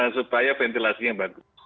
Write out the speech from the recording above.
supaya ventilasinya bagus